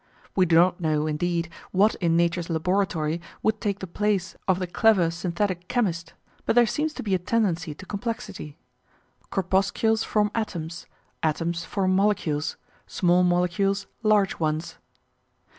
We do not know, indeed, what in Nature's laboratory would take the place of the clever synthetic chemist, but there seems to be a tendency to complexity. Corpuscles form atoms, atoms form molecules, small molecules large ones.